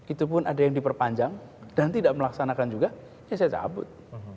itu pun ada yang diperpanjang dan tidak melaksanakan juga ya saya cabut